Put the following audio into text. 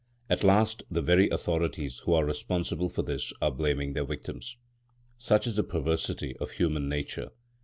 At last the very authorities who are responsible for this are blaming their victims. Such is the perversity of human nature.